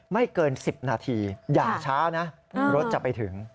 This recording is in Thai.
ไม่เกิน๑๐นาทีอย่าช้านะรถจะไปถึง